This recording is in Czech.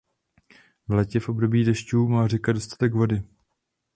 V létě v období dešťů má řeka dostatek vody.